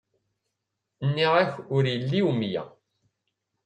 Nniɣ-ak ur illi umya.